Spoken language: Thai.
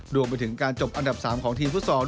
รวมไปถึงการจบอันดับ๓ของทีมฟุตซอล